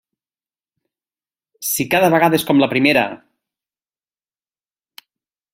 Si cada vegada és com la primera!